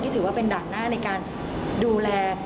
ถือว่าเป็นด่านหน้าในการดูแล